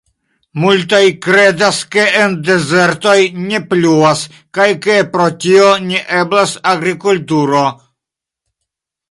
Multaj kredas, ke en dezertoj ne pluvas kaj ke pro tio ne eblas agrikulturo.